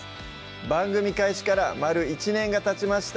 番組開始から丸１年がたちました